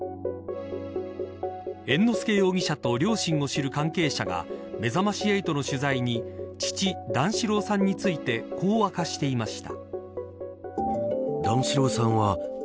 猿之助容疑者と両親を知る関係者がめざまし８の取材に父、段四郎さんについてこう明かしていました。